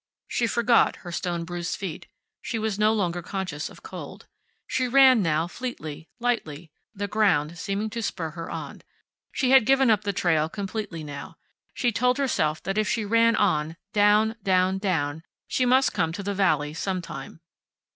She forgot her stone bruised feet. She was no longer conscious of cold. She ran now, fleetly, lightly, the ground seeming to spur her on. She had given up the trail completely now. She told herself that if she ran on, down, down, down, she must come to the valley sometime.